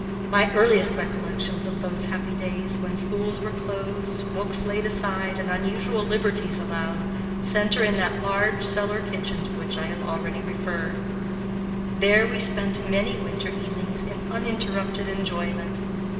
My earliest recollections of those happy days, when schools were closed, books laid aside, and unusual liberties allowed, center in that large cellar kitchen to which I have already referred. There we spent many winter evenings in uninterrupted enjoyment.